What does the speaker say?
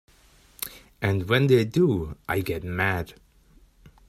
And when they do I get mad.